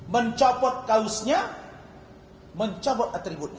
mencapot kausnya mencapot atributnya